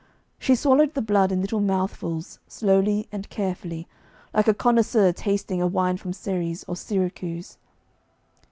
She swallowed the blood in little mouthfuls, slowly and carefully, like a connoisseur tasting a wine from Xeres or Syracuse.